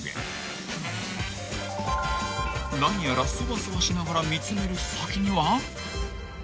［何やらそわそわしながら見詰める先には］